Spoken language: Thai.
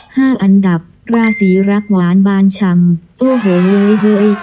ห้าอันดับราศีรักหวานบานชำโอ้โหเฮ้ย